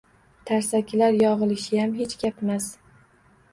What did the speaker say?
Tarsakilar yog‘ilishiyam hech gapmas